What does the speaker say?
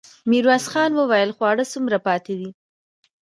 ميرويس خان وويل: خواړه څومره پاتې دي؟